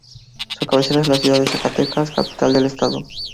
Su cabecera es la ciudad de Zacatecas, capital del estado.